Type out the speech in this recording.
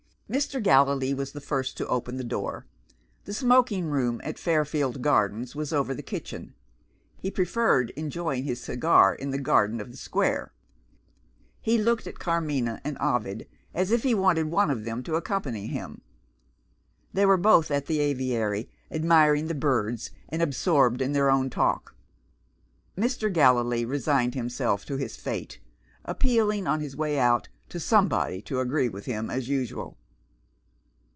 Mr. Gallilee was the first to open the door. The smoking room at Fairfield Gardens was over the kitchen; he preferred enjoying his cigar in the garden of the Square. He looked at Carmina and Ovid, as if he wanted one of them to accompany him. They were both at the aviary, admiring the birds, and absorbed in their own talk. Mr. Gallilee resigned himself to his fate; appealing, on his way out, to somebody to agree with him as usual.